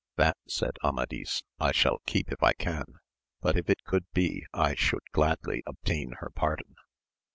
That, said Ama(Hs, I shall keep if I can; but if it could be I should gladly obtain her pardon.